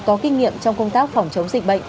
có kinh nghiệm trong công tác phòng chống dịch bệnh